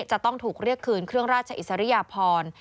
จะต้องถูกเรียกคืนเครื่องราชอิสริยพร